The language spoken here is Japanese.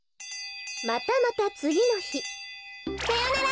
またまたつぎのひさよなら！